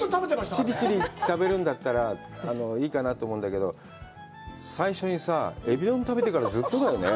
ちびちび食べるんだったらいいかなと思うんだけど、最初にさあ、エビ丼食べてから、ずっとだよね。